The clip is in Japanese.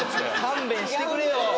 勘弁してくれよ。